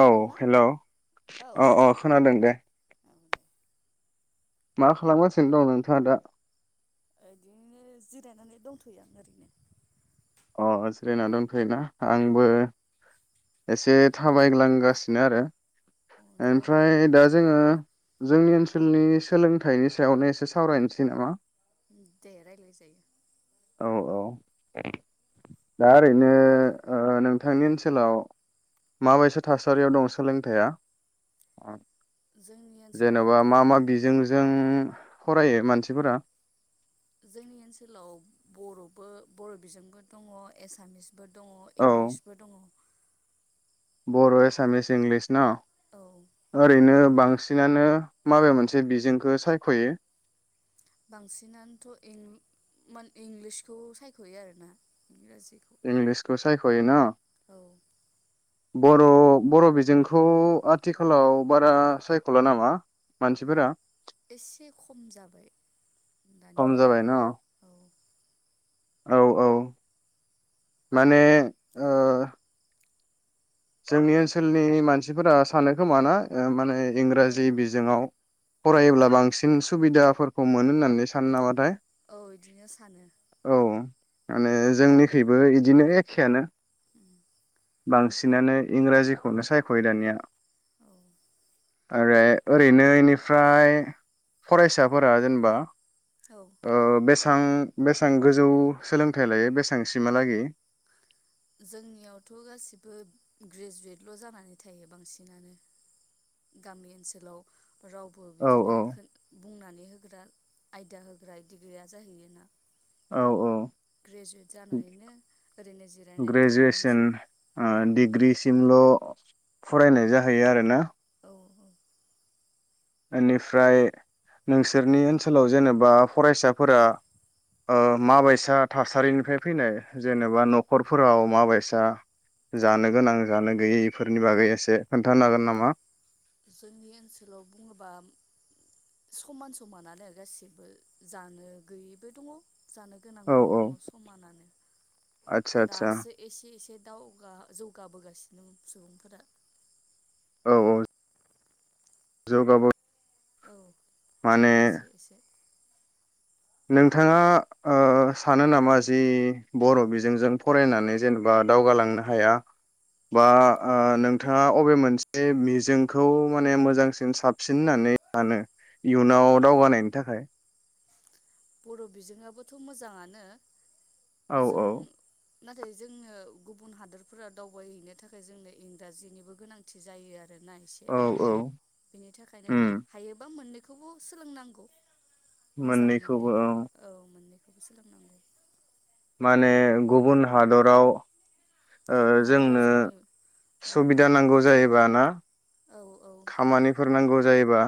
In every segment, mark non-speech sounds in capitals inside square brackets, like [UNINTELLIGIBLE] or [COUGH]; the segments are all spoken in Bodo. औ हेलौ अ अ खोनादों दे। औ दे मा खालामगासिनो दं नोंथाङा दा? बिदिनो जिरायनानै दंथ'यो आं ओरैनो। अ जिरायना दं। होना आंबो। एसे थाबायग्लांगासिनो आरो। ओरैनो औ अ न'आवनो ओमफ्राय दंबा दा जोङो जोंनि ओनसोलनि सोलोंथाइनि सायावनो एसे सावरायनोसै नामा? दे रायज्लाय जायो। औ औ। दा ओरैनो ओ नोंथांनि ओनसोलाव माबायसा थासारियाव दं सोलोंथाइया? जोंनि जेन'बा ओनसोलावथ' मा मा बिजोंजों फरायो मानसिफोरा जोंनि ओनसोलाव बर'बो बर' बिजोंबो दङ एसामिस बो दङ औ इंलिसबो दङ। बर' एसामिस इंलिस ना औ ओरैनो बांसिनानो माबे मोनसे बिजोंखौ सायख'यो। बांसिनानोथ' मान इंलिसखौ सायख'यो आरोना इंराजि इंलिसखौ [UNINTELLIGIBLE] औ। बर' बर' बिजोंखौ आथिखालाव बारा सायख'ला नामा मानसिफोरा? एसे खम जाबाय खम दानिया जाबाय न औ। औ औ माने ओ जोंनि ओनसोलनि मानसिफोरा सानो खोमा ना माने? औ इंराजि बिजोङाव औ फरायोब्ला बांसिन सुबिदाफोरखौ मोनो होननानै सान नाबाथाय? औ बिदिनो सानो। माने जोंनिख्रुइबो बिदिनो एखेआनो बांसिनानो इंराजिखौनो सायख'यो दानिया। औ आरो ओरैनो इनिफ्राय फरायसाफोरा जेनेबा औ ओ बेसे बां बेसेबां गोजौ सोलोंथाइ लायो बेसेबां सिमालागि जोंनियावथ' गासिबो ग्रेजुवेटल' जानानै थायो बांसिनानो गामि ओनसोलाव रावबो औ बिदिनो औ खोन बुंनानै होग्रा आयदा होग्रा डिग्रिया जाहैयोना। औ औ। ग्रेजुवेट जानानैनो ओरैनो जिरायनानै थायो मानसि ग्रेजुवेसन औ ओ-डिग्रिसिमल' फरायनाय जाहैयो आरोना? औ औ। ओनिफ्राय नोंसोरनि ओनसोलाव जेनेबा फरायसाफोरा ओ- माबायसा थासारिनिफ्राय फैनाय जेनेबा न'खरफोराव माबायसा जानो गोनां जानो गैयै इफोरनि बागै एसे खोन्थानो हागोन नामा? जोंनि ओनसोलाव बुङोबा समान समानानो गासिबो जानो गैयैबो दङ जानो औ गोनांबो औ दङ समानानो आदसा आदसा दासो एसे एसे दावगा जौगाबोगासिनो सुबुंफोरा। औ औ [UNINTELLIGIBLE] औ माने एसे एसे। नोंथाङा ओ- सानो नामा जि बर' बिजोंजों फरायनानै जेनेबा दावगालांनो हाया बा ओ-नोंथाङा अबे मोनसे मिजोंखौ माने मोजांसिन साबसिन होननानै सानो इयुनाव दावगानायनि थाखाय? बर' बिजोङाबोथ' मोजाङानो। औ जों औ नाथाय जोंङो गुबुन हादोरफोरा दावबायहैनो थाखाय जोंनो इंराजिनिबो गोनांथि जायो आ रोना एसे औ औ बिनि थाखायनो उम हायोबा मोननै खौबो सोलोंनांगौ मोजां मोननैखौबो मोननैबो औ मोननैखौबो सोलोंनांगौ। माने गुबुन हादराव। गुबुन ओ- हादोराव जोंनो जोंनि औ सुबिदा नांगौ जायोबा ना? औ औ खामानिफोर नांगौ जायोबा?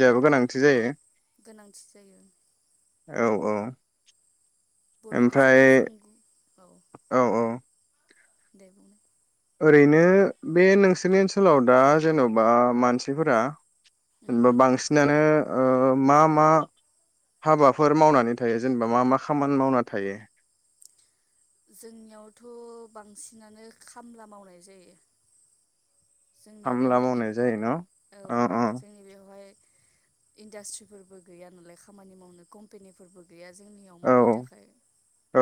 औ गोनांथि जायो। गोनांथि जायो औ औ बर' ओमफ्राय बिजोंखौ जों औ औ दे बुंनाय ओरैनो बे नोंसोरनि ओनसोलाव दा जेन'बा मानसिफोरा? उम जेनेबा बांसिनानो ओ- मा मा हाबाफोर मावनानै थायो? जेनेबा मा मा खामानि मावना थायो? जोंनियावथ' बांसिनानो खामला मावनाय जायो। जोंनिया खामला बेवहाय इं मावनाय जायो न' औ अ अ जोंनि बेवहाय इन्डास्ट्रिफोरबो गैया नालाय खामानि मावनो कम्पेनिफोरबो गै गैया जोंनियाव औ मावनो थाखाय औ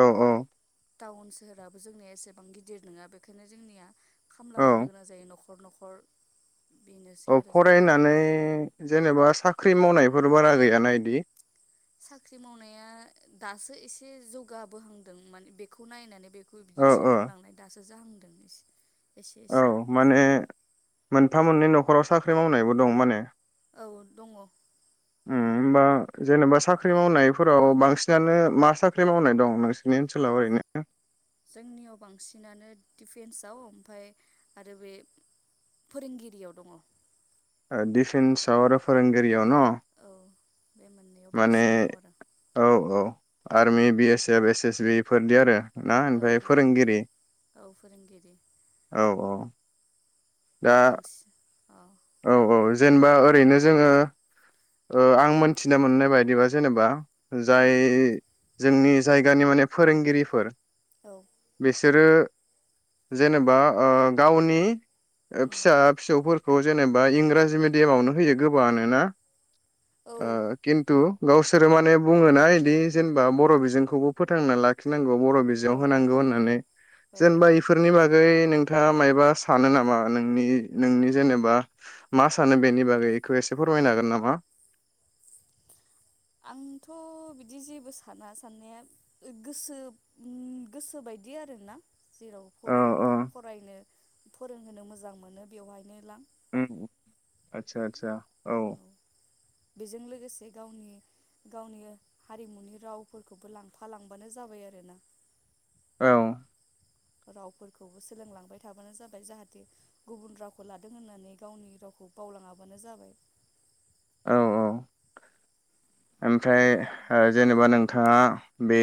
टाउन सोहोराबो जोंनिया एसेबां गिदिर नङा बेखायनो जोंनिया। खामला औ मावनो गोनां जायो न'ख न'खर बेनोसै औ आरो जोंनियाव फरायनानै जेनेबा सा ख्रि मावनायफोर बारा गैयाना इदि साख्रि मावनाया दासो एसे जौगाबोहांदों मान बेखौ नायनानै बे बो औ बिदि औ सोलोंलांनाय दासो जाहांदों एसे एसे औ माने मोनफा मोननै न'खराव साख्रि मावनायबो दं माने औ दङ' उम होमबा जेनेबा साख्रि मावनायफोराव बांसिनानो मा साख्रि मावनाय दं नोंसोरनि ओनसोलाव ओरैनो जोंनियाव बांसिनानो डिफेन्सआव ओमफाय आरो बे फोरोंगिरियाव दङ' ओ डिफेन्सआव आरो फोरोंगिरियाव न' औ बे मोननैयाव माने बांसिन दङ आरो औ औ army B S F S S B इफोरदि आरो ना औ ओमफ्राय बेफोराव फोरोंगिरि औ फोरोंगिरि औ औ दा बांसिन औ औ औ जेनेबा ओरैनो जोङो ओ आं मोनथिनो मोननाय बायदिबा जेनेबा जाय उम जोंनि जायगानि माने फोरोंगिरिफोर औ सोरो जेनेबा ओ गावनि ओ उम फिसा फिसौफोर जेनेबा इंराजि मिडियामावनो होयो गोबावनो ना औ ओ खिन्थु गावसोरो माने बुङोना इदि जेनेबा बर' बिजोंखौबो फोथांना लाखिनांगौ गौ बर' औ होनांगौ औ होननानै औ जेनेबा इफोरनि बा गै नोंथाङा मायबा सानो नामा नोंनि नोंनि जेनेबा मा सानो बेनि बागै इखौ एसे फोरमायनो हागोन नामा आंथ' बिदि जेबो साना साननाया गोसो गोसोबायदि आरोना जेराव औ औ हरदों फरायनो फोरोंहोनो मोजां मोनो बेवहायनो लां ओम आदसा आदसा औ बेजों लोगोसे गावनि गावनि हारिमुनि रावफोरखौबो लांफा लांबानो जाबाय आरोना औ रावफोरखौबो सोलोंलांबाय थाबानो जाबाय जाहाथे गुबुन रावखौ लादों होननानै गावनि रावखौ बावलाङाबानो जाबाय औ औ ओमफ्राय बेनो ओ जेनेबा नोंथाङा बे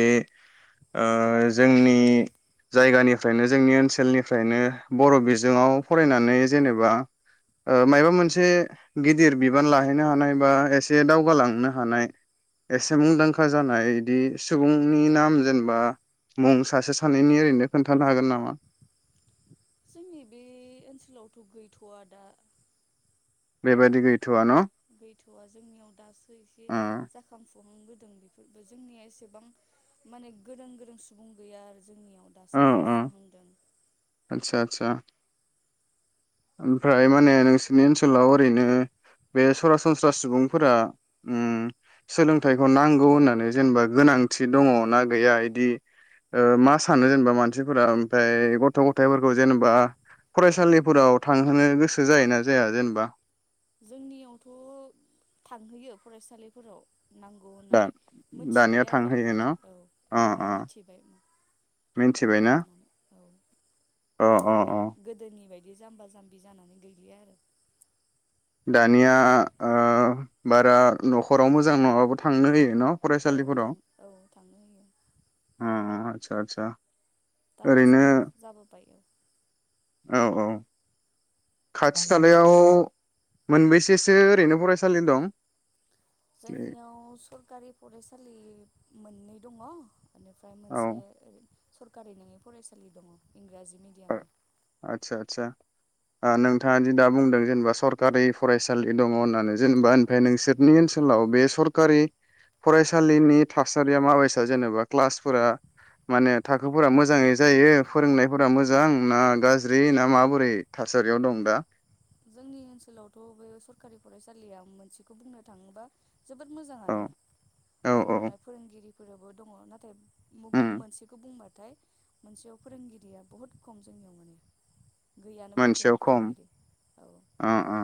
ओ जोंनि जायगानिफ्रायनो जोंनि ओनसोलनिफ्रायनो बर' बिजोंआव फरायनानै जेनेबा ओ मायबा मोनसे गिदिर बिबान ला नो हानाय बा एसे दावगाालांनो हानाय एसे मुंदांखा जानाय बिदि सुबुंनि नाम जेनेबा मुं सासे सानैनि ओरैनो खोन्थानो हागोन नामा? जोंनि बे ओनसोलावथ' गैथ'वा दा। बेबायदि गै गैथ'आ जोंनियाव दासो एसे औ जाखांफु हां बोदों बेफोरबो जोंनिया एसेबां माने गोरों गोरों सुबुं गैया आरो जोंनियाव दासो जाफुहांदों। आतसा। ओमफ्राय माने नोंसोरनि ओनसोलाव ओरैनो बे सरासनस्रा सुबुंफोरा उम सोलोंथाइखौ नांगौ होननानै जेनेबा गोनां थि औ दङ ना गैया इदि ओ मा सानो जेनेबा मानसिफोरा ओमफ्राय गथ' गथाइफोरखौ जेनेबा फरायसालिफोराव थांहोनो गोसो जायोना जाया जेनेबा? जोंनियावथ' थांहैयो फरायसालिफोराव। नांगौ दा होननानै मिथिबाय दानिया आरो दा थांहोयो न' औ अ दानिया अ मिथिबाय ओम नांगौ मिथिबायना होननानै औ। अ अ रोंबाय अ गोदोनि बाय दि जाम्बा जाम्बि जानानै गैलिया आरो। दानिया ओ बारा न'खराव मोजां नङाबाबो थांनो होयो न' औ फरायसालिफोराव नोंथां औ थांहोयो। आतसा आतसा। दा मोजां जाबोबाय। औ औ। खाथि खालायाव मोनबैसेसो ओरैनो फरायसालि दं? जोंनियाव सरखारि फरायसालि मोननै दङ'। बेनिफ्राय औ मोनसे सरखारि नङै फरायसालि दङ इंराजि ओ मिडियामनि आतसा आतसा। ओ नोंथाङा दि दा बुंदों जेनेबा सरकारि फरायसालि दङ होननानै जेनेबा औ ओमफ्राय नोंसोरनि ओ नसोलाव बे सरकारि फरायसालिनि थासारिया माबैसा जेनेबा क्लासफोरा माने थाखोफोरा मोजाङै जायो फोरोंनायफो मोजां ना गाज्रि ना माबोरै थासारियाव दं दा? जोंनि ओनसोलावथ' बे सरखारि फरायसालिया मोनसेखौ बुंनो थाङोबा जोबोद औ मोजाङानो औ औ फोरोंनाय फोरोंगिरिफोराबो दङ नाथाय उम मोनसेखौ बुंबा नाथाय मोनसेयाव फोरोंगिरिया बुहुत खम जोंनियाव माने गैयानो बुंजायो मोनसेयाव खम फोरोंगिरि। अ अ।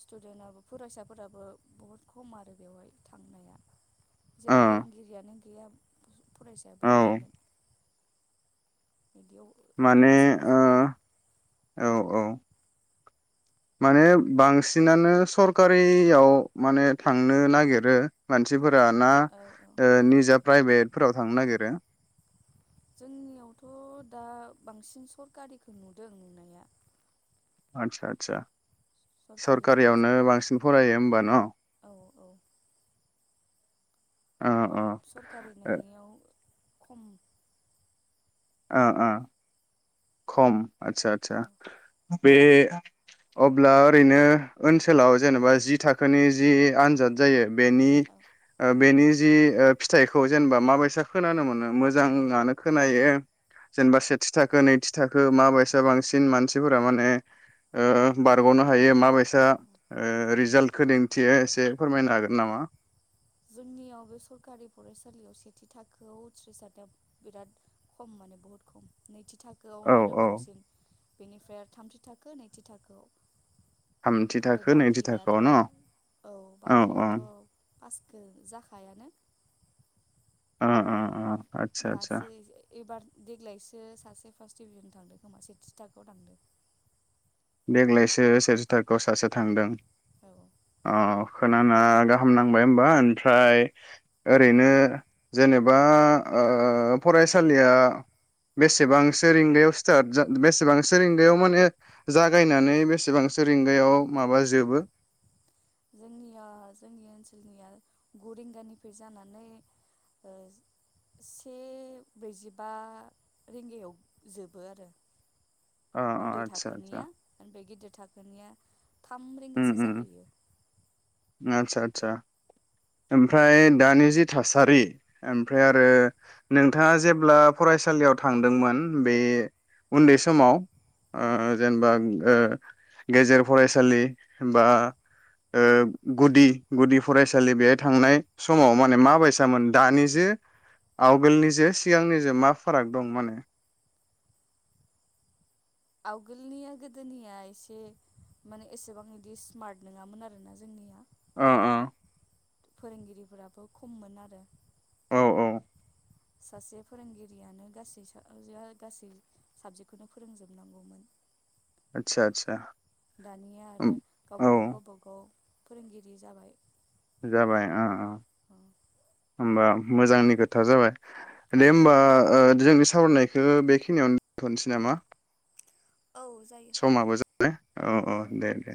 स्टुदेनाबो फरायसाफोराबो बुहुद खम आरो बेवहाय थांनाया। अ जेराव फोरोंगिरियानो [UNINTELLIGIBLE] फरायसाया बोरै औ थांगोन बिदियाव माने थासारि ओ जाना दं औ औ माने बांसिनानो सरखारियाव माने थांनो नागिरो मानसि फोरा ना औ औ ओ निजा प्राइभेटफोराव थांनो नागिरो जोंनियावथ दा बांसिन सरकारिखौ नुदों नुनाया आतसा आतसा सरकारि सरखारियावनो फरायसालि बांसिन फरायो होमबा न औ औ अ अ सरखारि नङियाव खम ओ ओ खम आतसा आतसा औ बे अब्ला ओरैनो ओनसोलाव जेनेबा जि थाखोनि जि आनजाद जायो बेनि औ ओ बेनि जि ओ फिथाइखौ जेनेबा माबैसा खोनानो मोनो मोजाङानो खोनायो जेनेबा सेथि थाखो नैथि थाखो माबायसा बांसिन मानसिफोरा माने ओ बारगनो हायो माबायसा ओ रिजाल्टखौ दिन्थियो एसे फोरमायनो हागोन नामा जोंनियाव बे सरखारि फरायसालियाव सेथि थाखोआव उथ्रिसारनाया बिराद खम माने बुहुत खम नैथि औ थाखोआवनो आरो औ बांसिन बेनिफ्राय आरो थामथि थाखो नैथि थाखोआव थामथि ओमफ्राय थाखो नैथि बाखियाथ थाखोआव न' औ औ बाखियाथ ओ पास खो जाखायानो ओ ओ ओ दासो एबार देग्लायसो सासे फार्स्ट डिभिजन थांदों खोमा सेथि थाखोआव थांदों देग्लायसो सेथि थाखोआव सासे थांदों औ अ खोनाना गाहाम नांबाय होमबा ओमफ्राय ओरैनो जेनेबा ओ फरायसालिया बेसेबांसो रिंगायाव स्टार्ट बेसेबांसो रिंगायाव माने जागायनानै बेसेबांसो रिंगायाव माबा जोबो जोंनिया जोंनि ओनसोलनिया गु रिंगानिफ्राय जानानै ओ से ब्रैजिबा रिंगायाव जोबो आरो अ आदसा आदसा उन्दै थाम रिंगासो जाहैयो आतसा आतसा ओमफ्राय दानि जि थासारि ओमफ्राय औ आरो नोंथाङा जेब्ला फरायसालियाव थांदोंमोन आ औ जेनबा ओ गेजेर फरायसालि बा ओ गुदि गुदि फरायसालि बेहाय थांनाय समाव माने मााबायसामोन दानि जों आगोलनि जों सिगांनि जों मा फाराग दं माने? आवगोलनिया गोदोनिया एसे माने एसेबां इदि स्मार्ट नङामोन आरोना जोंनिया। ओ ओ फोरोंगिरिफोराबो खममोन आरो। औ औ सासे फोरोंगिरियानो गासै गासै साबजेक्टखौनो फोरोंजोबनांगौमोन। आदसा आदसा दानिया आरो औ गावबागाव गावबागाव फोरोंगिरि जाबाय जाबाय ओ ओ होमबा मोजांनि खोथा जाबाय। औ दे होमबा ओ जोंनि सावरायनायखौ बेखिनियावनो दोनथ'नोसै नामा? औ जायो समाबो जाय औ औ दे दे।